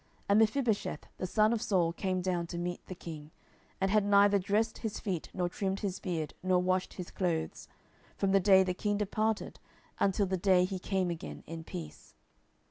10:019:024 And Mephibosheth the son of Saul came down to meet the king, and had neither dressed his feet, nor trimmed his beard, nor washed his clothes, from the day the king departed until the day he came again in peace.